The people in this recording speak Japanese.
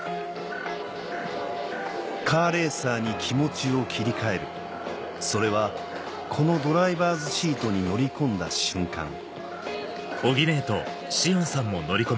カーレーサーに気持ちを切り替えるそれはこのドライバーズシートに乗り込んだ瞬間